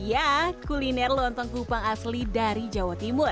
ya kuliner lontong kupang asli dari jawa timur